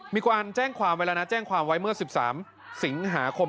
มีการแจ้งความไว้แล้วนะแจ้งความไว้เมื่อ๑๓สิงหาคม